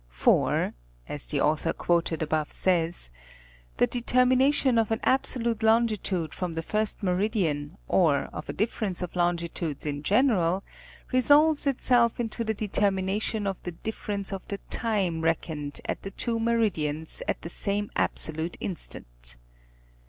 "For," as the author quoted above says, 'the determination of an absolute longitude from the first meridian or of a difference of longitude in general, resolves itself into the determination of the difference VOL, Il, L 2 National Geographic Mugazme. of the time reckoned at the two meridians at the same absolute instant."